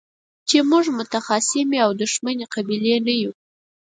چې موږ متخاصمې او دښمنې قبيلې نه يو.